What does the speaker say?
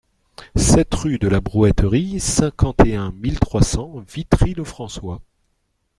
sept rue de la Brouetterie, cinquante et un mille trois cents Vitry-le-François